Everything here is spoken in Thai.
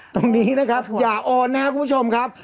ตรงนี้นะครับอย่าโอนนะครับคุณผู้ชมครับ